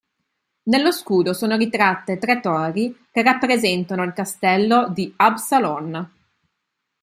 Nello scudo sono ritratte tre torri che rappresentano il castello di Absalon.